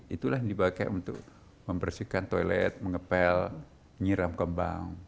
itulah yang dipakai untuk membersihkan toilet mengepel nyiram kembang